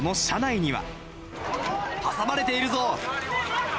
挟まれているぞ。